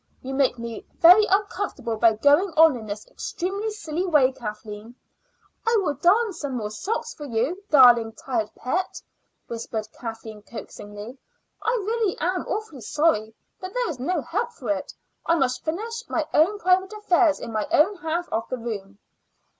You make me very uncomfortable by going on in this extremely silly way, Kathleen." "I will darn some more socks for you, darling, tired pet," whispered Kathleen coaxingly. "I really am awfully sorry, but there is no help for it. I must finish my own private affairs in my own half of the room."